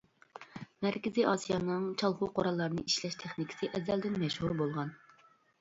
مەركىزىي ئاسىيانىڭ چالغۇ قوراللارنى ئىشلەش تېخنىكىسى ئەزەلدىن مەشھۇر بولغان.